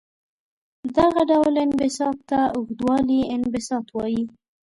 دغه ډول انبساط ته اوږدوالي انبساط وايي.